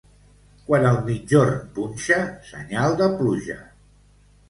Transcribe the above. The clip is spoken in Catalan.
Quan el migjorn punxa, senyal de pluja.